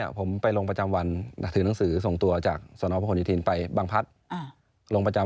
โอ๊ยมีคำสั่งมาอีกแล้วต้องไปที่ตลอฮะ